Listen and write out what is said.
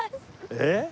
えっ！？